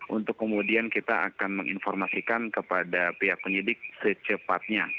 untuk kemudian kita akan menginformasikan kepada pihak penyidik secepatnya